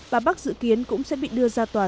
bà bắc dự kiến cũng sẽ bị đưa ra tòa